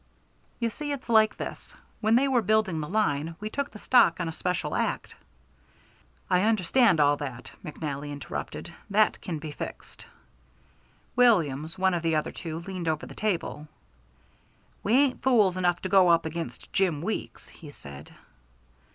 "You see it's like this. When they were building the line, we took the stock on a special act " "I understand all that," McNally interrupted. "That can be fixed." Williams, one of the other two, leaned over the table. "We ain't fools enough to go up against Jim Weeks," he said.